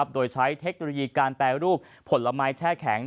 โดยใช้เทคโนโลยีการแปรรูปผลไม้แช่แข็ง